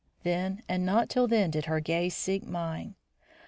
Then and not till then did her gaze seek mine.